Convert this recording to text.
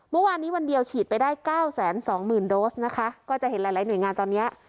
เมื่อวานนี้วันเดียวฉีดไปได้เก้าแสนสองหมื่นโดสนะคะก็จะเห็นหลายหลายหน่วยงานตอนนี้